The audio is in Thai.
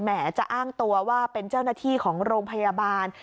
จะอ้างตัวว่าเป็นเจ้าหน้าที่ของโรงพยาบาล